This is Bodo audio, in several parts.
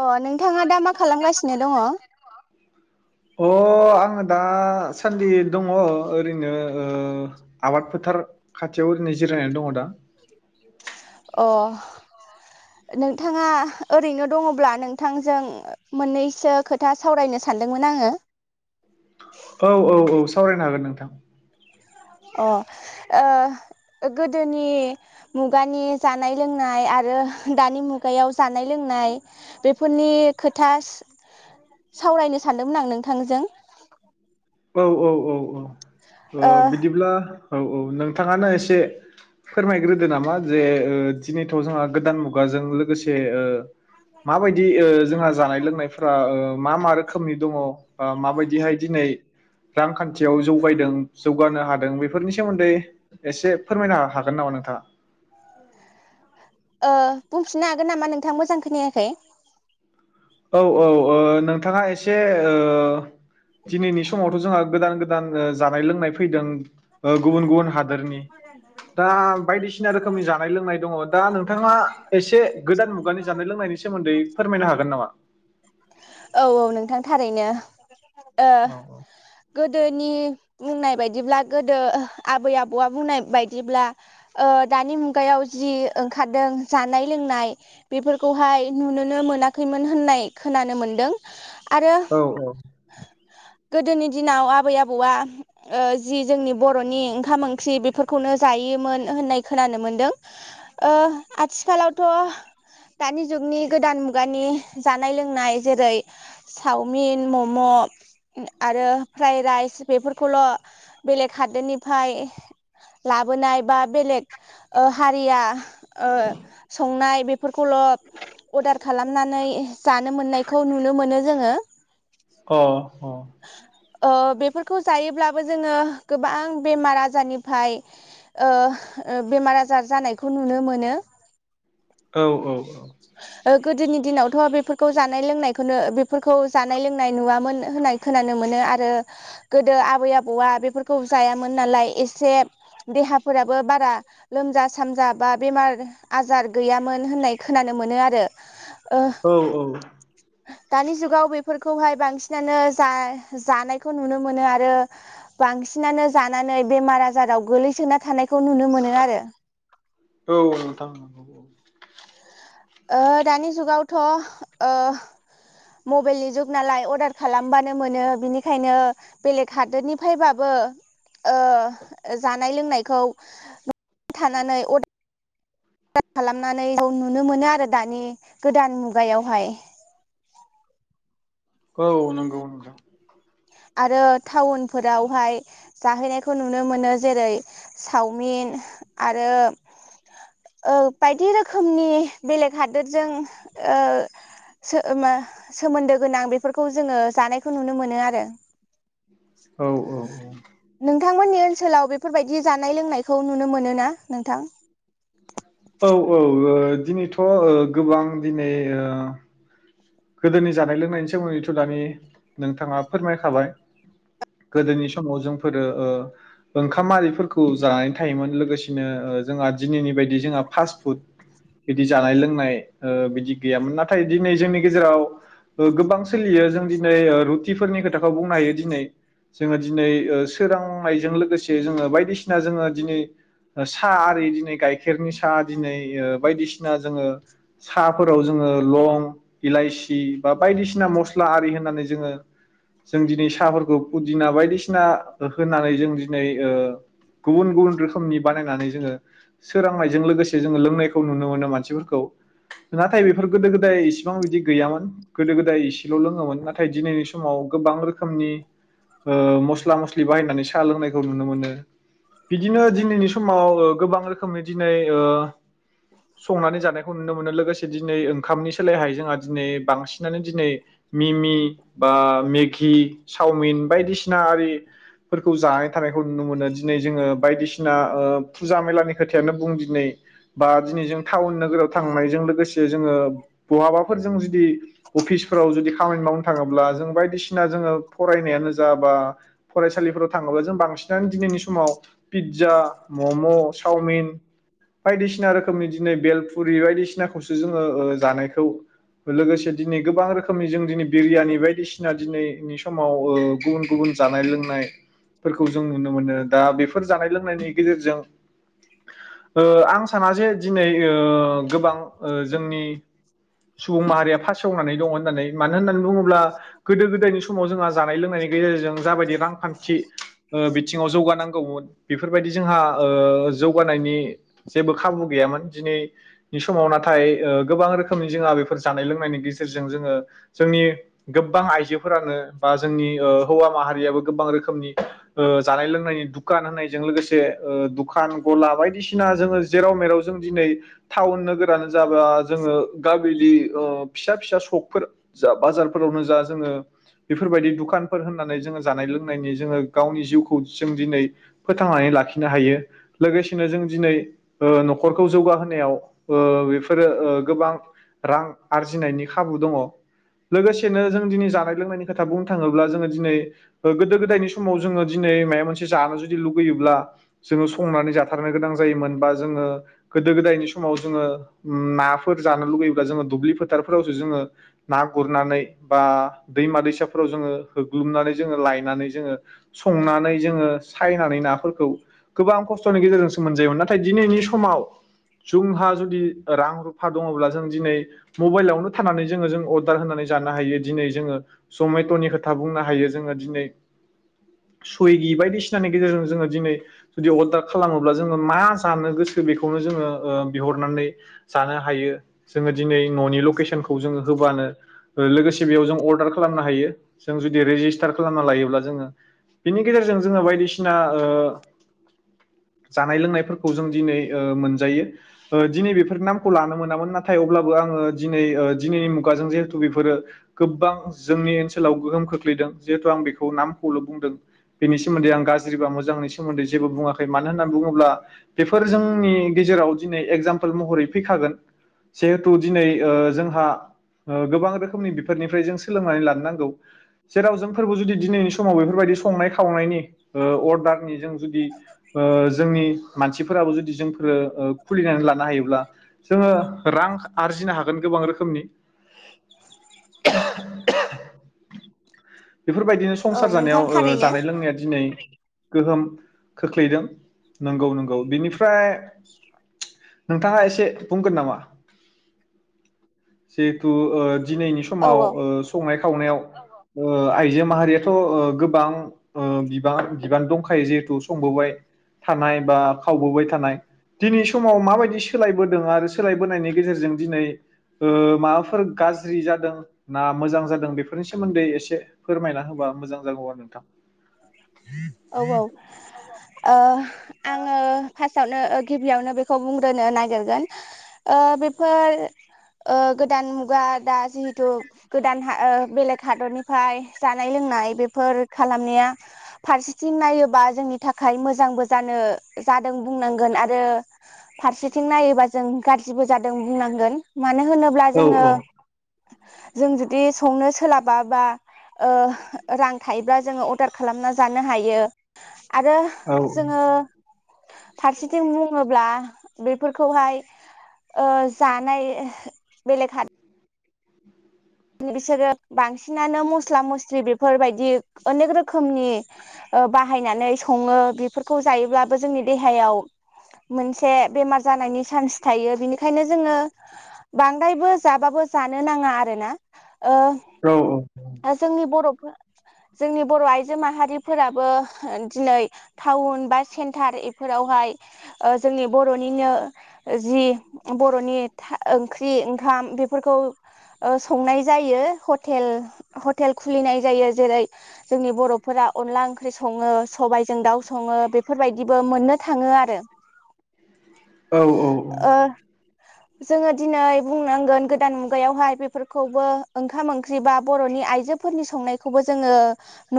अ नोंथाङा दा मा खालामगासिनो दङ। अ आङो दासान्दि दङ ओरैनो आबाद फोथार खाथियाव ओरैनो जिरायनानै दङ दा। अ' नोंथाङा ओरैनो दङब्ला नोंथांजों मोननैसो खोथा सावरायनो सानदोंमोन आङो। औ औ औ सावरायनो हागोन नोंथां। अ ओ गोदोनि मुगानि जानाय लोंनाय आरो दानि मुगायाव जानाय लोंनाय बेफोरनि खोथा सावरायनो सानदोंमोन आं नोंथांजों औ औ औ औ। ओ थ' बिदिब्ला औ औ नोंथाङानो एसे फोरमायग्रोदो नामा जे दिनैथ' जोंहा गोदान मुगाजों लोगोसे माबायदि ओ जोंहा जानाय लोंनायफोरा ओ मा मा रोखोमनि दङ बा माबायदिहाय दिनै रांखान्थि याव जौगायदों जौ जौगानो हादों बेफोरनि सोमोन्दै एसे फोरमायनो हा हागोन नामा नोंथाङा ओ बुंफिननो हागोन नामा नोंथाङा मोजां खोनायाखै औ औ ओ नोंथाङा एसे ओ दिनैनि समावथ' जोंहा गोदान गोदान जानाय लोंनाय फैदों। गुबुन गुबुन हादोरनि दा बायदिसिना रोखोमनि जानाय लोंनाय दङ दा नोंथाङा एसे गोदान मुगानि जानाय लोंनायनि सोमोन्दै फोरमायनो हागोन नामा। औ औ नोंथां थारैनो। ओ औ गोदोनि बुंनाय बायदिब्ला गोदो आबै आबौआ बुंनाय बायदिब्ला ओ दानि मुगायाव जि ओंखारदों जानाय लोंनाय बेफोरखौहाय नुनोनो मोनाखैमोन होननाय खोनानो मोनदों। आरो औ गोदोनि दिनाव आबै आबौआ ओ जि जोंनि बर'नि ओंखाम ओंख्रि बेफोरखौनो जायोमोन होननाय खोनानो मोनदों ओ आथिखालावथ' दानि जुगनि गोदान मुगानि जानाय लोंनाय जेरै सावमिन मम' आरो फ्राइड राइस बेफोरखौल'। बेलेग हादोरनिफ्राय लाबोनाय बा बेलेग ओ हारिया। ओ संनाय बेब फोरखौल' अर्डार खालामनानै जानो मोननायखौ नुनो मोनो जोङो अ ओ बेफोरखौ जायोब्लाबो जोङो गोबां बेमार आजारनिफ्राय ओ ओ। बेमार आजार जानायखौ नुनो मोनो औ औ औ ओ गोदोनि दिनावथ' बेफोरखौ जानाय लोंनायखौनो बेफोरखौ जानाय लोंनाय नुवामोन होननाय खोनानो मोनो आरो गोदो आबै आबौआ बेफोर खौ जायामोन नालाय एसे देहाफोराबो बारा लोमजा सामजा बा बेमार आजार गैयामोन होननाय खोनानो मोनो आरो। ओ औ औ । दानि जुगाव बेफोरखौहाय बांसिनानो जा जानायखौ नुनो मोनो आरो बांसिन नानो जानानै बेमार आजाराव गोग्लैसोना थानाय खौ नुनो मोनो आरो औ औ नोंथां [inaudible] ओ दानि जुगावथ' ओ मबाइलनि जुग नालाय अर्डार खालामबानो मोनो बिनिखायनो बेलेग हादोरनिफ्रायबाबो ओ जानाय लोंनायखौ न'आव थानानै अर्डार। [unintelligible] खालामनानै [unintelligible] नुनो मोनो आरो दानि गोदान मुगायावहाय। औ नंगौ नोंथां आरो टाउन फोरावहाय। जाहैनायखौ नुनो मोनो जेरै चावमिन आरो औ बायदि रोखोमनि बेलेग हादोरजों ओ सोमो-सोमोन्दो गोनां बेफोरखौ जोङो जानायखौ नुनो मोनो आरो औ औ औ नोंथांमोननि ओनसोलाव बेफोरबायदि जानाय लोंनायखौ नुनो मोनो ना नोंथां? औ औ ओ दिनैथ' ओ गोबां दिनै ओ गोदोनि जानाय लोंनायनि सोमोन्दैथ' दानि नोंथाङा फोरमायखाबाय गोदोनि समाव जोंफोरो ओ ओंखाम आरिफोरखौ जानानै थायोमोन लोगोसेनो जोंहा दिनैनि बायदि जोंहा फास्ट फुड बिदि जानाय लोंनाय ओ बिदि गैयामोन नाथाय दिनै जोंनि गेजेराव गोबां सोलियो जों दिनै रुथिफोरनि खोथाखौ बुंनो हायो दिनै जोङो दिनै सोरांनायजों लोगोसे जोङो बायदिसिना जोङो दिनै साहा आरि दिनै गाइखेरनि साहा दिनै बायदिसिना जोङो साफोराव जोङो लं इलाइसि बा बायदिसिना मस्ला आरि होनानै जोङो जों दिनै साहाफोरखौ फुदिना बायदिसिना होनानै जों दिनै ओ गुबुन गुबुन रोखोमनि बानायनानै जोङो सोरांनायजों लोगोसे जोङो लोंनायखौ नुनो मोनो मानसिफोरखौ नाथाय बेफोर गोदो गोदाय सेबां बिदि गैयामोन गोदो गोदाय इसेल' लोङोमोन नाथाय दिनैनि समाव गोबां रोखोमनि ओ मस्ला मस्लि बाहायनानै साहा लोंनायखौ नुनो मोनो बिदिनो दिनैनि समाव गोबां रोखोमनि दिनै ओ संनानै जानायखौ नुनो मोनो लोगोसेै ओंखामनि सोलायहाय जोंहा दिनै बांसिनानो दिनै मिमि बा मेगि, चावमिन बायदिसिना आरि फोरखौ जानाय थानायखौ नुनो मोनो दिनै जोङो बायदिसिना फुजा मेलानि खोथायानो बुं दिनै बा दिनै जों टाउन नोगोराव थांनायजों लोगोसे जोङो बहाबा फोर जों जुदि अफिसफोराव जुदि खामानि मावनो थाङोब्ला जों बायदिसिना जोङो फरायनायानो जा बा फरायसालिफोराव थाङोबा जों बांसिनानो दिनैनि समाव पिज्जा, मम', चावमिन बायदिसिना रोखोमनि दिनै बेलफुरि बायदिसिनाखौसो जोङो ओ जानायखौ लोगोसे दिनै गोबां रोखोमनि जों दिनै बिरियानि बायदिसिना दिनैनि समाव गुबुन गुबुन जानाय लोंनायफोरखौ जों नुनो मोनो दा बेफोर जानाय लोंनायनि गेजेरजों ओ आं साना जे दिनै ओ गोबां जोंनि सुबुं माहारिया फासेवनानै दङ होननानै मानो होननानै बुङोब्ला गोदो गोदायनि समाव जोंहा जानाय लोंनायनि गेजेरजों जाबायदि रांखान्थि बिथिङाव जौ गा नांगौमोन बेफोरबायदि जोंहा ओ जौगानायनि जेबो खाबु गैयामोन दिनैनि समाव नाथाय गोबां रोखोमनि जोंहा बे फोर जानाय लोंनायनि गेजेरजों जोङो जोंनि गोबां आइजोफोरानो बा जोंनि ओ हौवा माहारियाबो गोबां रोखोमनि ओ जानाय लोंनायनि दुखान होननायजों लोगोसे दुखान गला बायदिसिना जोङो जेराव मेराव जों दिनै टाउन नोगोरानो जाबा जोङो गामिनि ओ फिसा फिसा सगफोर जा बाजारफोरावनो जा जोङो बेफोरबायदि दुकानफोर होननानै जोङो जानाय लोंनायनि जोङो गावनि जिउ खौ जों दिनै फोथांनानै लाखिनो हायो लोगोसेनो जों दिनै ओ न'खरखौ जौगाहोनायाव ओ बेफोरो ओ गोबां रां आरजिनायनि खाबु दङ लोगोसेनो जों दिनै जानाय लोंनायनि खोथा बुंनो थाङोब्ला जोङो दिनै गोदो गोदायनि समाव जोङो दिनै माबा मोनसे जानो जुदि लुगैयोब्ला जोङो संनानै जाथारनो गोनां जायोमोन बा जोङो गोदो गोदायनि समाव जोङो नाफोर जानो लुुबैयोब्ला जोङो दुब्लि फोथारफोरावसो जोङो ना गुरनानै बा दैमा दैसाफोराव जोंङो होग्लुमनानै जोङो लायनानै जोङो संनानै जोंङो सायनानै नाफोरखौ गोबां खस्थनि गेजेरजोंसो मोनजायोमोन। नाथाय दिनैनि समाव जोंहा जुदि रां रुफा दङब्ला जों दिनै मबाइलावनो थानानै जोङो जों अर्डार होनानै जानो हायो दिनै जोङो जमेट'नि खोथा बुंनो हायो जोङो दिनै सुइगि बायदिसिनानि गेजेरजों जोङो दिनै जुदि अर्डार खालामोब्ला जोङो मा जानो गोसो बेखौनो जोङो ओ बिहरनानै जानो हायो जोङो दिनै न'नि लकेसनखौ जोङो होबानो। लोगोसे बेयाव जों अर्डार खालामनो हायो जों जुदि रेजिस्टार खालामना लायोब्ला जोङो बिनि गेजेरजों जोङो बायदिसिना ओ जानाय लोंनायफोरखौ जों दिनै ओ मोनजायो ओ दिनै बेफोर नामखौ लानो मोनामोन नाथाय अब्लाबो आं ओ दिनै ओ दिनैनि मुगाजों जिहेथु बेफोरो गोबां जोंनि ओनसोलाव गोहोम खोख्लैदों जिहेथु आं बेखौ नामखौल बुंदों बेनि सोमोन्दै आं गाज्रि बा मोजांनि सोमोन्दै जेबो बुङाखै मानो होननानै बुङोब्ला बेफोर जोंनि गेजेराव दिनै एगजामपोल महरै फैखागोन जिहे टु दिनै ओ जोंहा ओ गोबां रोखोमनि बिफोरनिफ्राय जों सोलोंनानै लानो नांगौ जेराव जोंफोरबो जुदि दिनैनि समाव बेफोरबायदि संनाय खावनायनि ओ अर्डारनि जों जुदि ओ जोंनि मानसिफोराबो जुदि जोंफोरो ओ खुलिनानै लानो हायोब्ला जोङो रां आरजिनो हागोन गोबां रोखोमनि। बेफोरबायदिनो औ संसार नोंथां जानायाव ओ थारैनो जानाय लोंनाया दिनै गोहोम खोख्लैदों। नंगौ नंगौ बिनिफ्राय नोंथाङा एसे बुंगोन नामा? जिहेटु ओ दिनैनि औ समाव ओ संनाय खावनायाव औ औ ओ आइजो माहारियाथ' ओ गोबां बिबां बिबान दंखायो जिहेथु संबोबाय थानाय बा खावबोबाय थानाय दिनै समाव माबायदि सोलायबोदों आरो सोलायबोनायनि गेजेरजों दिनै ओ माबाफोर गाज्रि जादों ना मोजां जादों बेफोरनि सोमोन्दै एसे फोरमायना होबा मोजां जागौ आरो नोंथां। औ औ ओ आङो फा सावनो ओ गिबियावनो बेखौ बुंग्रोनो नागिरगोन ओ बेफोर ओ गोदान मुगा दा जिहेथु गोदान हा ओ बेलेग हादरनिफ्राय जानाय लोंनाय बेफोर खालामनाया फारसेथिं नायोबा जोंनि थाखाय मोजांबो जानो जादों बुंनांगोन आरो फारसेथिं नायोबा जों गाज्रिबो जादों बुंनांगोन। मानो होनोब्ला औ जोङो जों जुदि संनो सोलाबाबा ओ रां थायोब्ला जोङो अर्डार खालामना जानो हायो आरो औ जोङो फारसेथिं बुङोब्ला बेफोरखौहाय ओ जानाय बेलेग हाद बिसोरो बांसिनानो मस्ला मस्लि बेफोरबायदि ओनेक रोखोमनि ओ बाहायनानै सङो बेफोरखौ जायोब्लाबो जोंनि देहायाव मोनसे बेमार जानायनि सान्स थायो। बिनिखायनो जोङो बांद्रायबो जाबाबो जानो नाङा आरोना। औ ओ जोंनि बरफो जोंनि बर' आइजो माहारिफोराबो दिनै थाउन बा सेन्थार एफोरावहाय ओ जोंनि बर'निनो जि बर'नि था ओंख्रि ओंखाम बेफोरखौ ओ संनाय जायो हथेल हथेल खुलिनाय जायो जेरै जोंनि बर'फोरा अनला ओंख्रि सङो, सबायजों दाउ सङो, बेफोरबायदिबो मोननो थाङो आरो। औ औ औ ओ जोङो दिनै बुंनांगोन गोदान मुगायावहाय बेफोरखौबो ओंखाम ओंख्रि बा बर'नि आइजोफोरनि संनायखौबो जोङो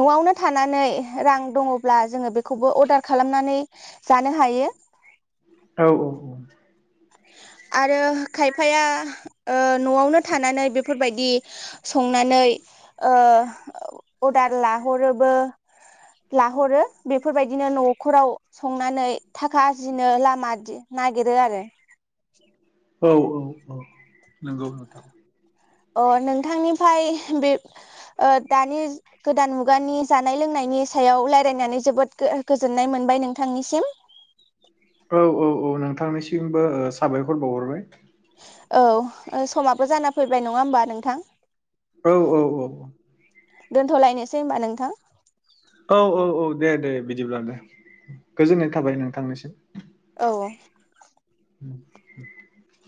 न'आवनो थानानै रां दङब्ला जोङो बेखौबो अर्डार खालामनानै जानो हायो। औ आरो खायफाया ओ न'आवनो थानानै बेफोरबायदि संनानै ओ अर्डार लाहरोबो लाहरो बेफोरबायदिनो न' खराव संनानै थाखा आरजिनो लामा दिन‌ नाय गिरो आरो। औ औ औ नंगौ नोंथां अ नोंथांनिफाय बे ओ दानि गोदान मुगानि जानाय लोंनायनि सायाव लायरायनानै जोबोद गो गोजोननाय मोनबाय नोंथांनिसिम। औ औ औ नोंथांनिसिमबो ओ साबायखर बावहरबाय। औ समाबो जाना फैबाय नङा होमबा नोंथां। औ औ औ दोनथ'लायनोसै होनबा नोंथां। औ औ औ दे दे बिदिब्ला दे गोजोननाय थाबाय नोंथांनिसिम औ [inaudible]